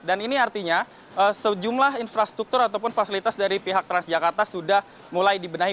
dan ini artinya sejumlah infrastruktur ataupun fasilitas dari pihak transjakarta sudah mulai dibenahi